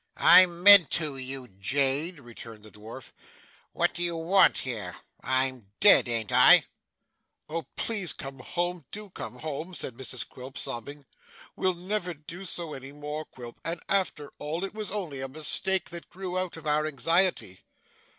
'I meant to, you jade,' returned the dwarf. 'What do you want here? I'm dead, an't I?' 'Oh, please come home, do come home,' said Mrs Quilp, sobbing; 'we'll never do so any more, Quilp, and after all it was only a mistake that grew out of our anxiety.